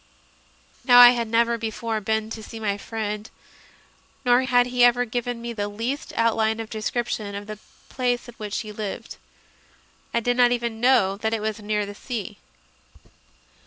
Now I had never before been to see my friend, nor had he ever given me the least outline of a descrip tion of the place in which he lived. I did not even know that it was near the sea.